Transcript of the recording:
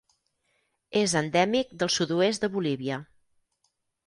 És endèmic del sud-oest de Bolívia.